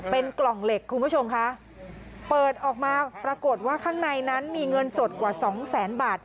เป็นกล่องเหล็กคุณผู้ชมค่ะเปิดออกมาปรากฏว่าข้างในนั้นมีเงินสดกว่าสองแสนบาท